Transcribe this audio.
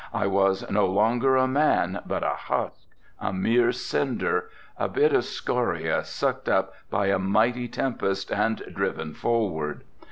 I was no longer a man but a husk, a mere cinder, a bit of scoria sucked up by a mighty tempest and driven forward.